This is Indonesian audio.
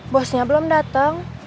bosnya belum dateng